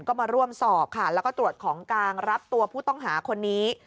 ก็มาร่วมสอบค่ะแล้วก็ตรวจของกลางรับตัวผู้ต้องหาคนนี้